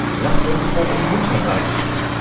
Lasst uns froh und munter sein!